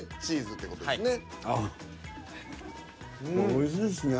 おいしいですね。